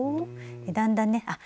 だんだんねあっ